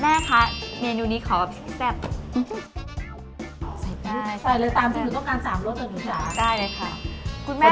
แม่คะเมนูนี้ขอแซ่บใส่ได้ใส่เลยตามที่หนูต้องการ๓โลกต่อหนูค่ะได้เลยค่ะ